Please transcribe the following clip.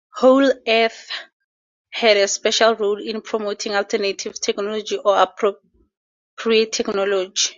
"Whole Earth" had a special role in promoting alternative technology or appropriate technology.